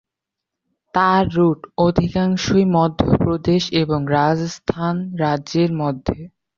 তার রুট অধিকাংশই মধ্যপ্রদেশ এবং রাজস্থান রাজ্যের মধ্যে।